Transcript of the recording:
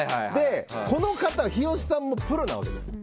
この方、日吉さんもプロなわけですよ。